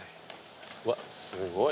うわすごい。